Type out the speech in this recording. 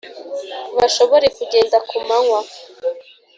bashobore kugenda ku manywa